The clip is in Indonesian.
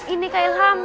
ini kak ilham